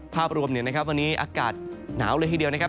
ภาพรวมเนี่ยนะครับวันนี้อากาศหนาวเลยทีเดียวนะครับ